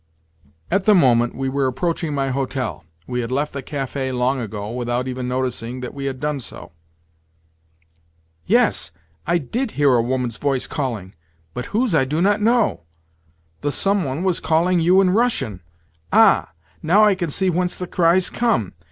At the moment, we were approaching my hotel. We had left the café long ago, without even noticing that we had done so. "Yes, I did hear a woman's voice calling, but whose I do not know. The someone was calling you in Russian. Ah! NOW I can see whence the cries come.